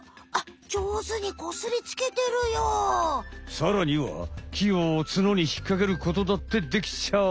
さらにはきを角にひっかけることだってできちゃう！